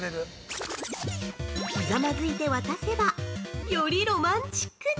ひざまづいて渡せば、よりロマンチックに！